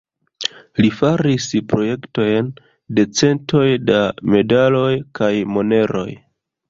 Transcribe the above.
Li faris projektojn de centoj da medaloj kaj moneroj.